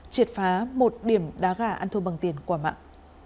triệt phá một điểm đá gà ăn thua bằng tiền quả mạng